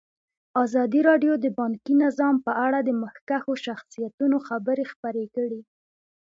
ازادي راډیو د بانکي نظام په اړه د مخکښو شخصیتونو خبرې خپرې کړي.